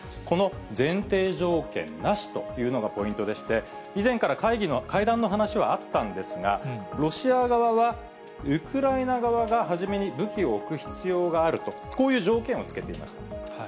この前提条件なしというのがポイントでして、以前から会談の話はあったんですが、ロシア側はウクライナ側が初めに武器を置く必要があると、こういう条件を付けていました。